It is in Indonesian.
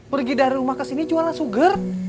pergi dari rumah ke sini jualan suger